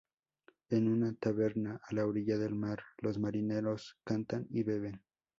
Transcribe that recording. En una taberna a la orilla del mar los marineros cantan y beben.